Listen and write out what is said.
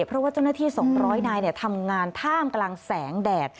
เพราะว่าเจ้าหน้าที่๒๐๐นายทำงานท่ามกลางแสงแดด